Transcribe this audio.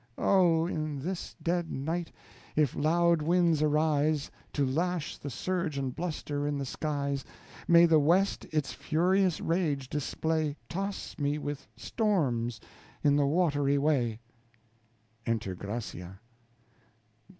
Oh! in this dead night, if loud winds arise, To lash the surge and bluster in the skies, May the west its furious rage display, Toss me with storms in the watery way. (Enter Gracia.)